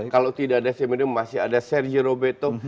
kalau tidak ada semedo masih ada sergio roberto